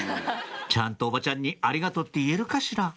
「ちゃんとおばちゃんにありがとうって言えるかしら」